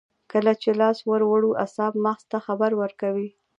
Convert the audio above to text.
کله چې لاس ور وړو اعصاب مغز ته خبر ورکوي